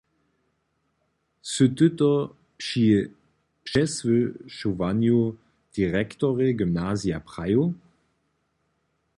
Sy ty to při přesłyšowanju direktorej gymnazija prajił?